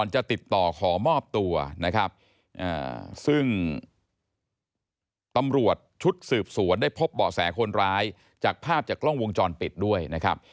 จากภาพจากกล้องวงจรปิดด้วยนะครับ